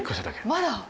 まだ？